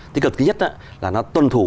tích cực thứ nhất là nó tuân thủ